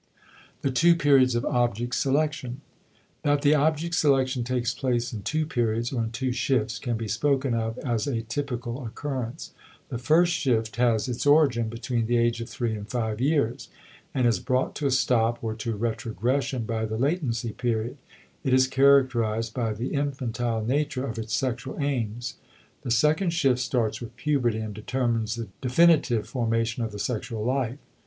*The Two Periods of Object Selection.* That the object selection takes place in two periods, or in two shifts, can be spoken of as a typical occurrence. The first shift has its origin between the age of three and five years, and is brought to a stop or to retrogression by the latency period; it is characterized by the infantile nature of its sexual aims. The second shift starts with puberty and determines the definitive formation of the sexual life.